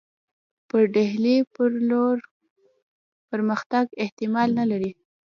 پر ډهلي پر لور پرمختګ احتمال نه لري.